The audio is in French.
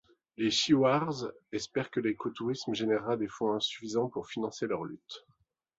Les Shiwiars espèrent que l'écotourisme générera des fonds suffisants pour financer leur lutte.